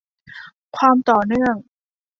ความต่อเนื่อง